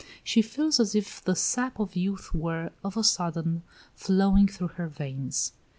She feels as if the sap of youth were, of a sudden, flowing through her veins.